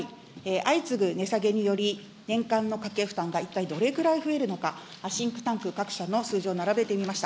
相次ぐ値下げにより、年間の家計負担が一体どれぐらい増えるのか、シンクタンク各社の数字を並べてみました。